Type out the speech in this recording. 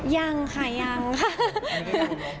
ยังค่ะยังค่ะ